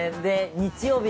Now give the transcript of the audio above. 日曜日